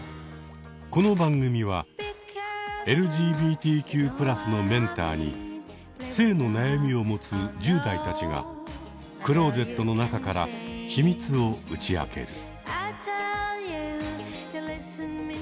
この番組はＬＧＢＴＱ＋のメンターに性の悩みを持つ１０代たちがクローゼットの中から秘密を打ち明ける。